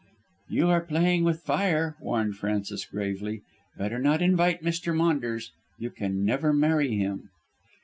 "You are playing with fire," warned Frances gravely. "Better not invite Mr. Maunders. You can never marry him."